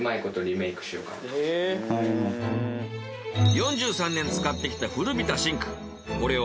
４３年使ってきた古びたシンクこれを